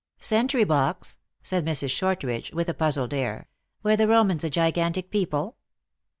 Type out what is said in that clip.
" Sentry box !" said Mrs. Shortridge, with a puzzled air, " were the Romans a gigantic people